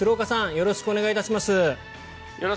よろしくお願いします。